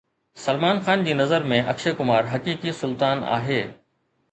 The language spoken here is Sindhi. سلمان خان جي نظر ۾ اڪشي ڪمار حقيقي سلطان آهي